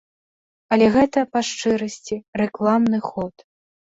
Але гэта, па шчырасці, рэкламны ход.